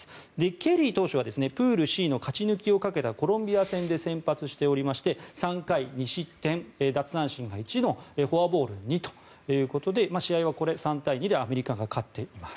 ケリー投手はプールＣの勝ち抜きをかけたコロンビア戦で先発しておりまして、３回２失点奪三振が１のフォアボール２ということで試合は３対２でアメリカが勝っています。